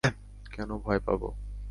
কেন ভয় পাবো?